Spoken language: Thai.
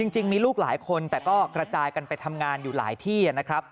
จริงมีลูกหลายคนแต่ก็กระจายกันไปทำงานอยู่หลายที่นะครับ